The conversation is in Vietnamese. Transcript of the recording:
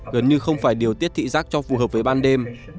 gần như không phải điều tiết thị giác cho phù hợp với ban đêm